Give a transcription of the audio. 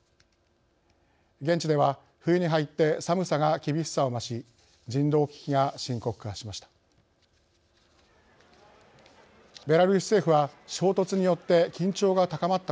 現地では冬に入って寒さが厳しさを増し人道危機が深刻化しました。